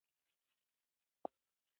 نجلۍ د مهربانۍ سمبول ده.